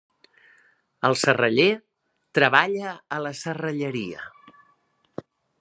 El serraller treballa a la serralleria.